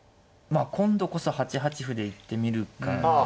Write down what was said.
あ今度こそ８八歩で行ってみるかですね。